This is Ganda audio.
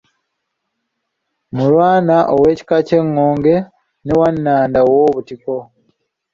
Mulwana ow'ekika ky'Engonge ne Wannanda ow'obutiko.